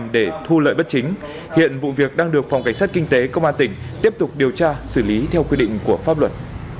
để thu lợi bất chính hiện vụ việc đang được phòng cảnh sát kinh tế công an tỉnh tiếp tục điều tra xử lý theo quy định của pháp luật